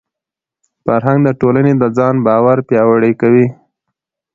فرهنګ د ټولني د ځان باور پیاوړی کوي.